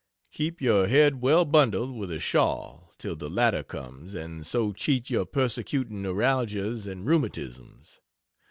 Keep your head well bundled with a shawl till the latter comes, and so cheat your persecuting neuralgias and rheumatisms.